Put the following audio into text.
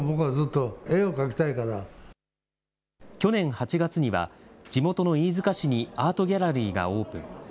８月には、地元の飯塚市にアートギャラリーがオープン。